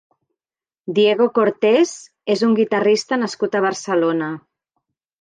Diego Cortés és un guitarrista nascut a Barcelona.